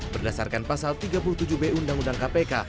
berdasarkan pasal tiga puluh tujuh b undang undang kpk